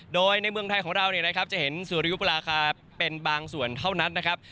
โดยในเมืองไทยของเราเนี่ยนะครับจะเห็นสุริยุปราคาเป็นบางส่วนเท่านั้นนะครับ